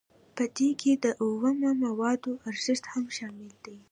په دې کې د اومو موادو ارزښت هم شامل دی